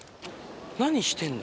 何してんだ？